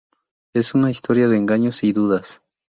Es una historia de engaños y dudas.